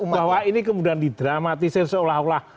bahwa ini kemudian didramatisir seolah olah